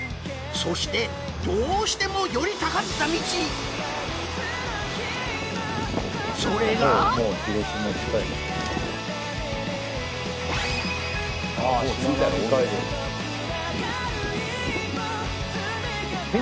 そしてどうしても寄りたかった道それがあしまなみ海道。